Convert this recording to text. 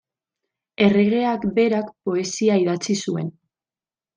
Erregeak berak poesia idatzi zuen.